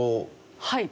はい。